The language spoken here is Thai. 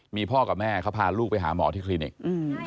มีพ่อกับแม่เขาพาลูกไปหาหมอที่คลินิก